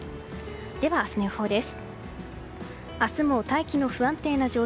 では、明日の予報です。